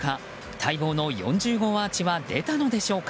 待望の４０号アーチは出たのでしょうか。